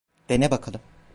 Dene bakalım.